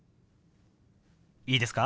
いいですか？